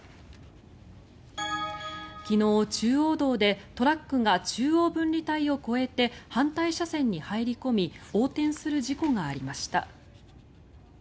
昨日、中央道でトラックが中央分離帯を越えて反対車線に入り込み横転する事故がありました。